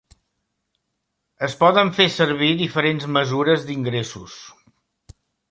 Es poden fer servir diferents mesures d'ingressos.